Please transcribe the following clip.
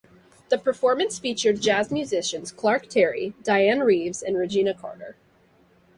The performance featured jazz musicians Clark Terry, Dianne Reeves and Regina Carter.